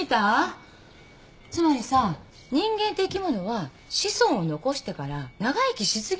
つまりさ人間って生き物は子孫を残してから長生きし過ぎなのよ。